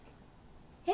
え？